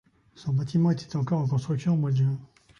Son bâtiment était encore en construction au mois de juin.